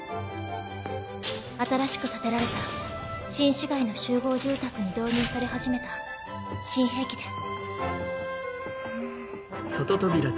新しく建てられた新市街の集合住宅に導入され始めた新兵器です。